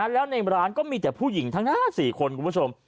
แล้วในร้านก็มีแต่ผู้หญิงทั้งนั้น๔คนคุณผู้ชม